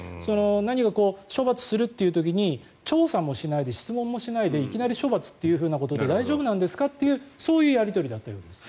何か処罰するという時に調査もしないで質問もしないでいきなり処罰ということで大丈夫ですかというそういうやり取りだったようです。